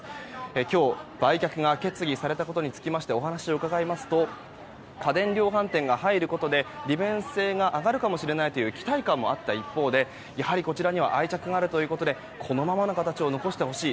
今日、売却が決議されたことにつきまして、お話を伺いますと家電量販店が入ることで利便性が上がるかもしれないといった期待感もあった一方でやはりこちらには愛着があるということでこのままの形を残してほしい。